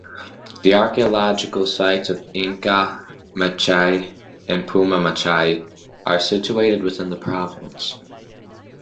The archaeological sites of Inka Mach'ay and Puma Mach'ay are situated within the province.